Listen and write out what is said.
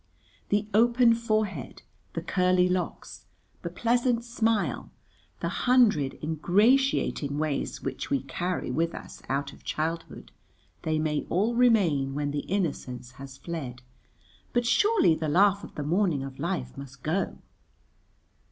The open forehead, the curly locks, the pleasant smile, the hundred ingratiating ways which we carry with us out of childhood, they may all remain when the innocence has fled, but surely the laugh of the morning of life must go.